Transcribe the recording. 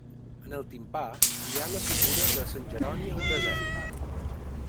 En el timpà hi ha la figura de sant Jeroni al desert.